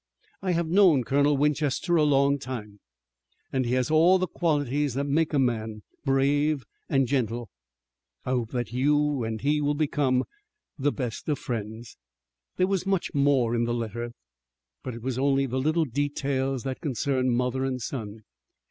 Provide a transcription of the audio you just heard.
I have known Colonel Winchester a long time, and he has all the qualities that make a man, brave and gentle. I hope that you and he will become the best of friends." There was much more in the letter, but it was only the little details that concern mother and son.